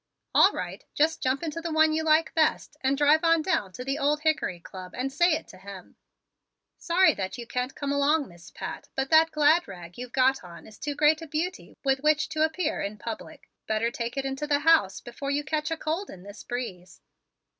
"All right; just jump into the one you like best and drive on down to the Old Hickory Club and say it to him. Sorry that you can't come along, Mrs. Pat, but that glad rag you've got on is too great a beauty with which to appear in public. Better take it into the house before you catch a cold in this breeze."